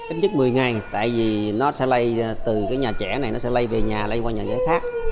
ít nhất một mươi ngày tại vì nó sẽ lây từ cái nhà trẻ này nó sẽ lây về nhà lây qua nhà giá khác